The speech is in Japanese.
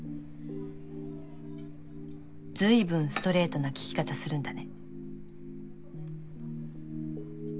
ずいぶんストレートな聞き方するんだね。